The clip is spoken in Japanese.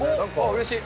うれしい。